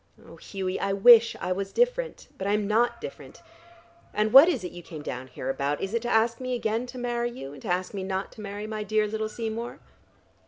Oh, Hughie, I wish I was different. But I am not different. And what is it you came down here about? Is it to ask me again to marry you, and to ask me not to marry my dear little Seymour?"